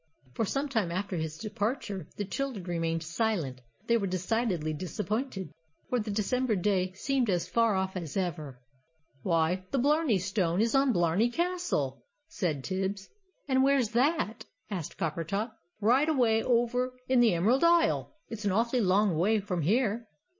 For some time after his departure the children remained silent; they were decidedly disappointed, for the December day seemed as far off as ever. "Why, the Blarney Stone is on Blarney Castle!" said Tibbs. "And where's that?" asked Coppertop. "Right away over in the Emerald Isle! It's an awfully long way from here!"